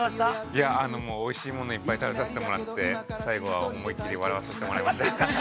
◆いや、おいしいものをいっぱい食べさせてもらって、最後は思い切り、笑わせてもらいました。